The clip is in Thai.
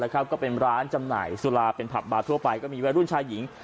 ก็เป็นร้านจำหน่ายสุราเป็นผับบาร์ทั่วไปก็มีวัยรุ่นชายหญิง